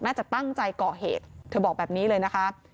น่าจะตั้งใจก่อเหตุเธอบอกแบบนี้เลยนะคะ